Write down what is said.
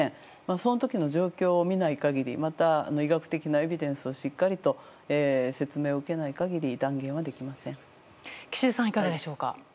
その時の状況を見ない限りまた、医学的なエビデンスをしっかりと説明を受けない限り断言はできません。